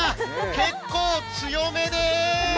結構、強めです！